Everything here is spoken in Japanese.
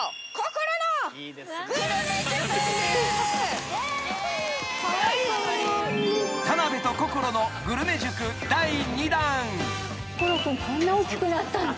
こんな大きくなったの？